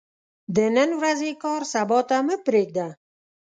د نن ورځې کار سبا ته مه پريږده